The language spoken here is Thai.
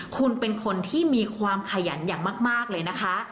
คุณเป็นคนที่มีความขยันอย่างมากเลยนะคะ